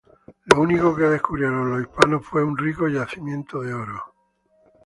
Lo único que descubrieron los hispanos fue un rico yacimiento de oro.